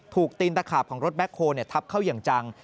ตีนตะขาบของรถแบ็คโฮลทับเข้าอย่างจัง